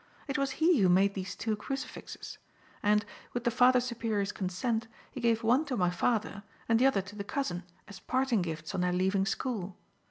It was he who made these two crucifixes; and, with the Father Superior's consent, he gave one to my father and the other to the cousin as parting gifts on their leaving school.